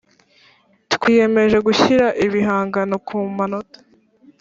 twiyemeje gushyira ibihangano ku manota